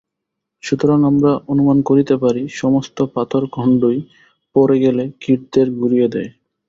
সুতরাং আমরা অনুমান করিতে পারি সমস্ত পাথরখণ্ডই পড়ে গেলে কীটদের গুঁড়িয়ে দেয়।